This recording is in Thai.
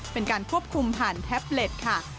เป็นการควบคุมผ่านแท็บเล็ตค่ะ